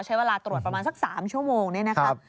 ใช้เวลาตรวจประมาณสัก๓ชั่วโมงนี่นะครับ